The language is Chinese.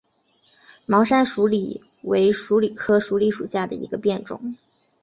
毛山鼠李为鼠李科鼠李属下的一个变种。